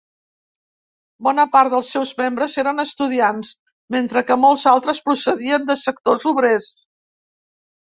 Bona part dels seus membres eren estudiants, mentre que molts altres procedien dels sectors obrers.